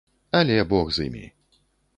Але бог з імі.